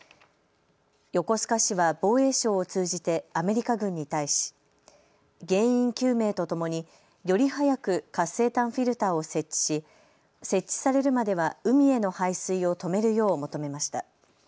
横須賀市は防衛省を通じてアメリカ軍に対し原因究明とともにより早く活性炭フィルターを設置し設置されるまでは海への排水を止めるよう求めました。